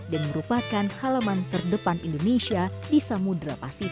dan merupakan halaman terdepan indonesia di samudera indonesia